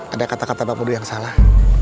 ada kata kata bang bedu yang salah